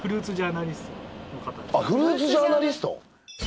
フルーツジャーナリスト？